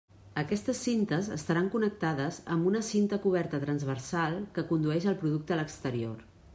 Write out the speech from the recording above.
Aquestes cintes estaran connectades amb una cinta coberta transversal que condueix el producte a l'exterior.